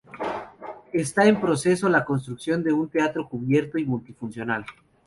Está en proyecto la construcción de un teatro cubierto y multifuncional.